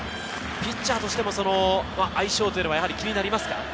ピッチャーとしても相性というのは気になりますか？